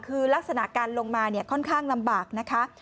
คือลักษณะการลงมาเนี่ยค่อนข้างลำบากนะคะ